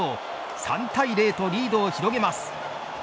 ３対０とリードを広げます。